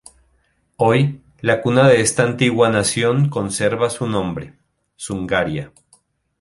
Hoy, la cuna de esta antigua nación conserva su nombre: Zungaria.